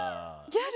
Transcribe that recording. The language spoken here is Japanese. ギャル？